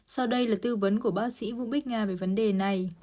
sau đây là tư vấn của bác sĩ vũ bích nga về vấn đề này